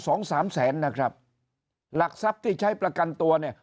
สองสามแสนนะครับหลักทรัพย์ที่ใช้ประกันตัวเนี่ย